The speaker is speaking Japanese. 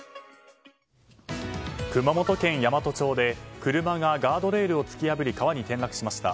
熊本県山都町で車がガードレールを突き破り川に転落しました。